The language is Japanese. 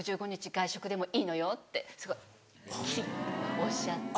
外食でもいいのよ」ってすごいキリっおっしゃって。